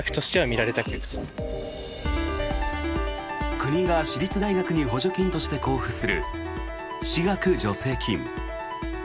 国が私立大学に補助金として交付する私学助成金。